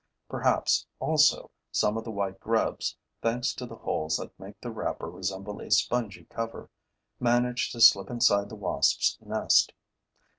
Perhaps, also, some of the white grubs, thanks to the holes that make the wrapper resemble a spongy cover, manage to slip inside the Wasps' nest.